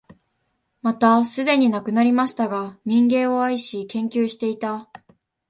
またすでに亡くなりましたが、民藝を愛し、研究していた、